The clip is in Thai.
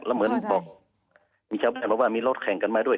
แล้วเหมือนบอกมีชาวบ้านบอกว่ามีรถแข่งกันมาด้วย